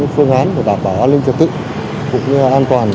phương án đảm bảo an ninh trật tự cũng như là an toàn